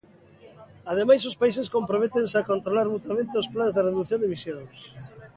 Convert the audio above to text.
Ademais, os países comprométense a controlar mutuamente os plans de redución de emisións.